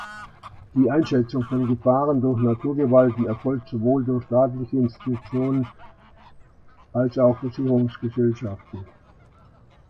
Die Einschätzung von Gefahren durch Naturgewalten erfolgt sowohl durch staatliche Institutionen als auch Versicherungsgesellschaften.